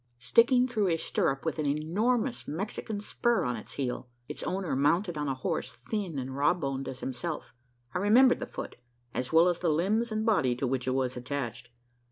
Sticking through a stirrup with an enormous Mexican Spur on its heel its owner mounted on a horse thin and rawboned as himself I remembered the foot, as well as the limbs and body to which it was attached.